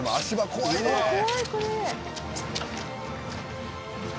「怖いこれ」